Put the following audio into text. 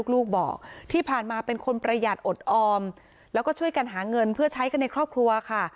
ลูกบอกที่ผ่านมาเป็นคนประหยัดอดออมแล้วก็ช่วยกันหาเงินเพื่อใช้กันในครอบครัวค่ะ